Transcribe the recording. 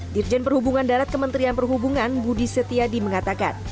dirjen perhubungan darat kementerian perhubungan budi setiadi mengatakan